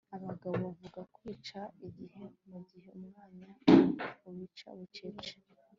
abagabo bavuga kwica igihe, mu gihe umwanya ubica bucece